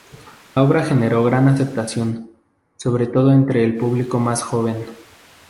La obra generó gran aceptación, sobre todo entre el público más joven.